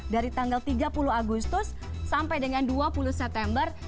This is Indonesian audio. dari tanggal tiga puluh agustus sampai dengan dua puluh september